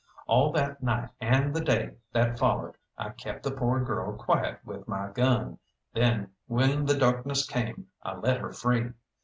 All that night and the day that followed I kept the poor girl quiet with my gun, then when the darkness came I let her free.